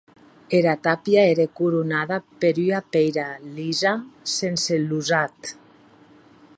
Era tàpia ère coronada per ua pèira lisa sense losat.